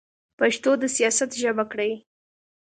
پښتو د سیاست ژبه کړئ.